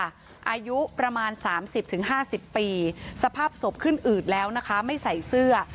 อายุประมาณ๓๐๕๐ปีสภาพศพขึ้นอืดแล้วนะคะไม่ใส่เสื้อ